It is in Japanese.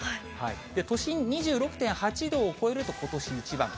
都心２６．８度を超えるとことし一番と。